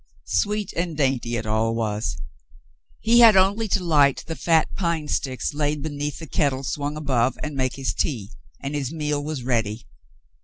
Sweet and dainty it all was. He had only to light the fat pine sticks laid beneath the kettle swung above and make his tea, and his meal was ready.